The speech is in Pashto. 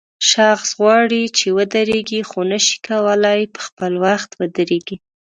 شخص غواړي چې ودرېږي خو نشي کولای په خپل وخت ودرېږي.